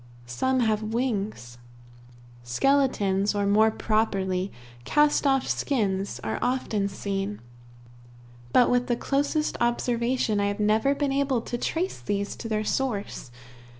Some have wings. Skeletons, or more properly, cast off skins, are often seen, but with the closest observation I have never been able to trace these to their source.